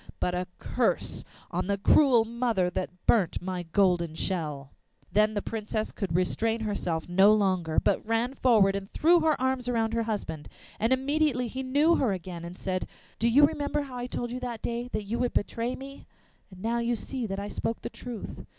But a curse on the cruel mother That burnt my golden shell!' Then the Princess could restrain herself no longer, but ran forward and threw her arms round her husband. And immediately he knew her again, and said: 'Do you remember how I told you that day that you would betray me? Now you see that I spoke the truth.